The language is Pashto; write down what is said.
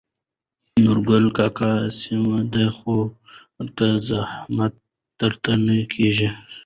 نورګل کاکا: سمه ده خورې که زحمت درته نه کېږي.